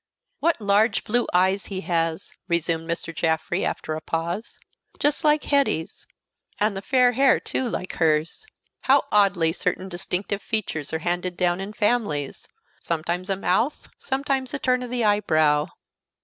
"What large blue eyes he has," resumed Mr. Jaffrey, after a pause; "just like Hetty's; and the fair hair, too, like hers. How oddly certain distinctive features are handed down in families! Sometimes a mouth, sometimes a turn of the eye brow.